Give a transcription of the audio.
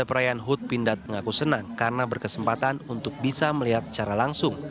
perayaan hut pindad mengaku senang karena berkesempatan untuk bisa melihat secara langsung